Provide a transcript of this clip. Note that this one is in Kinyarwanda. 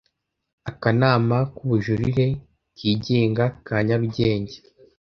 Akanama k Ubujurire Kigenga ka nyarugenge